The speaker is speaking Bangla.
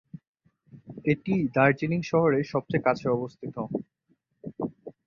এটিই দার্জিলিং শহরের সবচেয়ে কাছে অবস্থিত।